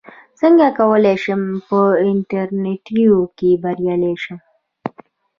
څنګه کولی شم په انټرویو کې بریالی شم